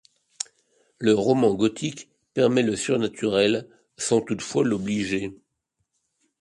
Le roman gothique permet le surnaturel, sans toutefois l'obliger.